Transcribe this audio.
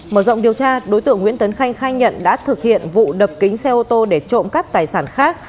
mở rộng điều tra đối tượng nguyễn tấn khanh khai nhận đã thực hiện vụ đập kính xe ô tô để trộm cắp tài sản khác